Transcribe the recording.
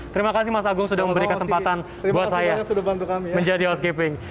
terima kasih mas agung sudah memberikan kesempatan buat saya menjadi host caping